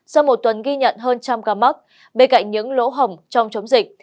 sau một tuần ghi nhận hơn trăm ca mắc bê cạnh những lỗ hỏng trong chống dịch